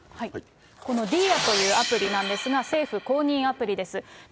このディーアというアプリなんですが、政府公認アプリです。